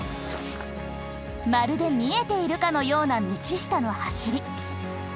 まるで見えているかのような道下の走り。